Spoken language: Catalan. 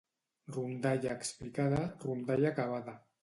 Rondalla explicada, rondalla acabada.